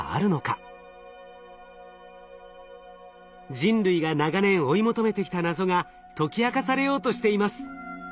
人類が長年追い求めてきた謎が解き明かされようとしています。